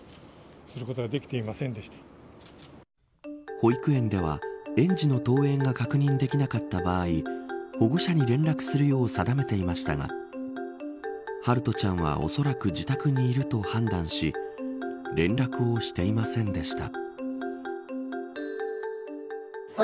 保育園では園児の登園が確認できなかった場合保護者に連絡するよう定めていましたが陽翔ちゃんはおそらく自宅にいると、判断し連絡をしていませんでした。